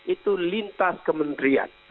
itu lintas kementerian